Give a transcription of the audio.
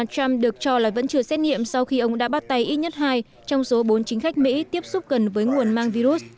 trump được cho là vẫn chưa xét nghiệm sau khi ông đã bắt tay ít nhất hai trong số bốn chính khách mỹ tiếp xúc gần với nguồn mang virus